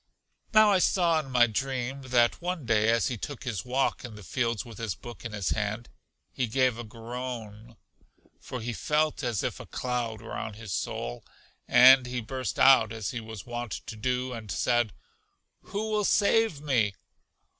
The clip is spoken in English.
Now I saw, in my dream, that one day as he took his walk in the fields with his book in his hand, he gave a groan, for he felt as if a cloud were on his soul, and he burst out as he was wont to do, and said, Who will save me?